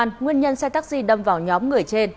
nguyên nhân xe taxi đâm vào nhóm người trên